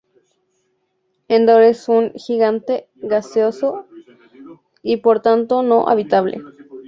Endor es un gigante gaseoso, y por tanto no habitable.